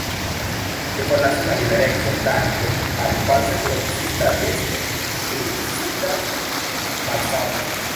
Li forlasis malliberejon danke al falsa kuracista atesto pri psika malsano.